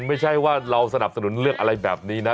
ไม่ใช่ว่าเราสนับสนุนเรื่องอะไรแบบนี้นะ